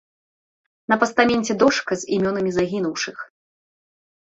На пастаменце дошка з імёнамі загінуўшых.